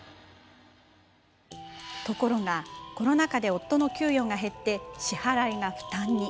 ところが、コロナ禍で夫の給与が減って支払いが負担に。